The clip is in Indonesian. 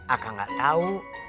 akan gak tau